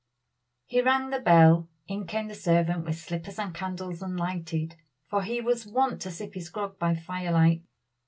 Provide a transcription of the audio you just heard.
He rang the bell. In came the servant with slippers and candles unlighted, for he was wont to sip his grog by fire light.